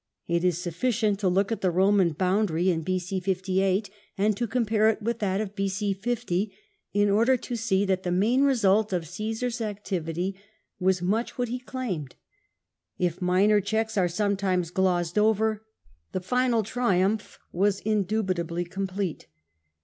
It is sufficient to look at the Roman boundary in B.c. 58 and to compare it with that of B.c. 50, in order to see that the main result of Csesar's activity was much what he claimed. If minor checks are sometimes glozed over, the final triumph was indubitably complete.